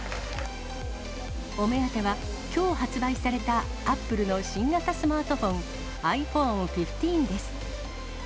お目当ては、きょう発売されたアップルの新型スマートフォン、ｉＰｈｏｎｅ１５です。